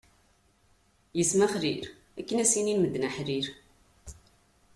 Ismexlil akken ad s-inin medden : aḥlil!